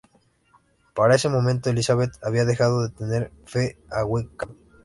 Para ese momento, Elizabeth había dejado de tenerle fe a Wickham.